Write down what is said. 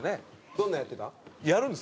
どんなんやってたん？